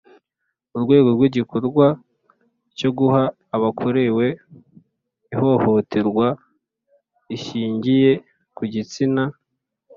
Urwego rw igikorwa cyo Guha abakorewe ihohoterwa rishingiye ku gitsina